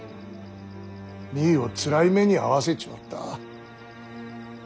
実衣をつらい目に遭わせちまった。